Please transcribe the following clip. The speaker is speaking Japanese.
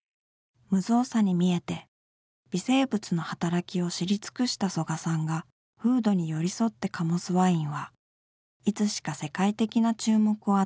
無造作に見えて微生物の働きを知り尽くした曽我さんが風土に寄り添って醸すワインはいつしか世界的な注目を集め